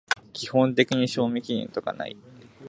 基本的に賞味期限とかない